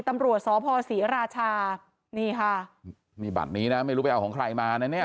ตำรวจสพศรีราชานี่ค่ะนี่บัตรนี้นะไม่รู้ไปเอาของใครมานะเนี่ย